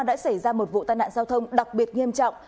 đã xảy ra một vụ tai nạn giao thông đặc biệt nghiêm trọng